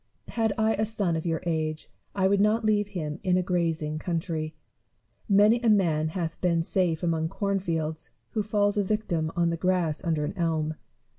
Had I son of your age, I would not leave him in a grazing country. Many a man hath been safe among corn fields, who falls a victim on the grass under an elm.